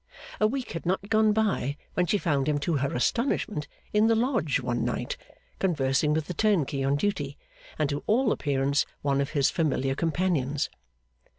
A week had not gone by, when she found him to her astonishment in the Lodge one night, conversing with the turnkey on duty, and to all appearance one of his familiar companions.